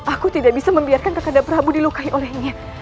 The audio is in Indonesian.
aku tidak bisa membiarkan kepada prabu dilukai olehnya